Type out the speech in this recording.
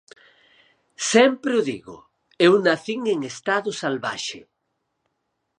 Sempre o digo: eu nacín en estado salvaxe.